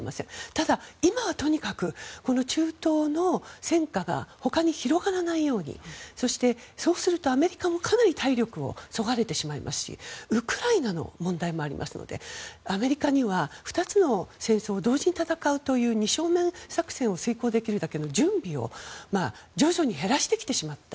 ただ、今はとにかくこの中東の戦火がほかに広がらないようにそして、そうするとアメリカもかなり体力をそがれてしまいますしウクライナの問題もありますのでアメリカには２つの戦争を同時に戦うという二正面作戦を遂行できるだけの準備を徐々に減らしてきてしまった。